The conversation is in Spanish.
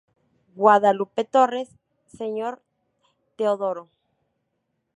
Guadalupe Torres, Sr. Teodoro.